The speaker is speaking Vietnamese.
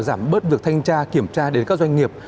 giảm bớt việc thanh tra kiểm tra đến các doanh nghiệp